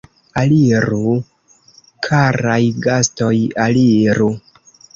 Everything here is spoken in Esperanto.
Aliru, karaj gastoj, aliru!